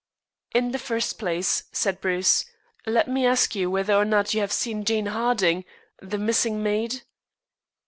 "In the first place," said Bruce, "let me ask you whether or not you have seen Jane Harding, the missing maid?"